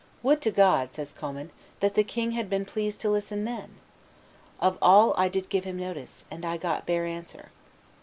"Would to God," says Commynes, "that the king had been pleased to listen then! Of all did I give him notice, and I got bare answer.